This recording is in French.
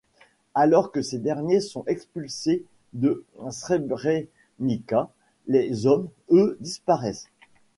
Alors que ces derniers sont expulsés de Srebrenica, les hommes, eux, disparaissent.